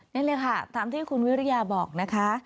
นี่แหละค่ะตามที่คุณวิริยาบอกนะคะ